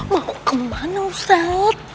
mau kemana ustadz